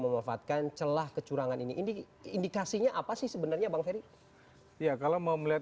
memanfaatkan celah kecurangan ini indikasinya apa sih sebenarnya bang ferry ya kalau mau melihat